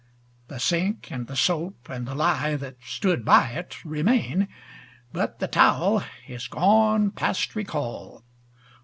The sink and the soap and the lye that stood by it Remain; but the towel is gone past recall.